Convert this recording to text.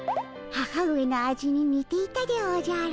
母上の味ににていたでおじゃる。